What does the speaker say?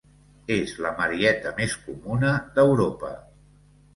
És la marieta més comuna d'Europa.